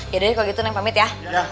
yaudah deh kalau gitu neng pamit ya